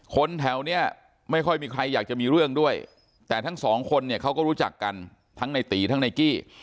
คนแถวนี้ไม่ค่อยมีใครอยากจะมีเรื่องด้วยแต่ทั้งสองคนเนี่ยเขาก็รู้จักกันทั้งในตีทั้งในกี้